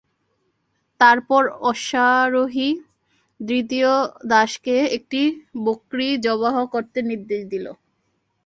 তারপর অশ্বারোহী দ্বিতীয় দাসকে একটি বকরী যবাহ করতে নির্দেশ দিল।